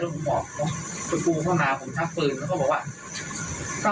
แล้วผมโทรเข้ามาผมยิงของบริเวณใครเข้ามา